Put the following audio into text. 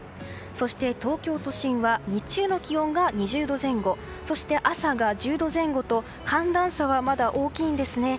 そして東京都心は日中の気温が２０度前後そして朝が１０度前後と寒暖差はまだ大きいんですね。